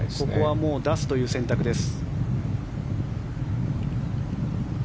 ここは出すという選択です。